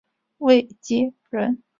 卫玠人。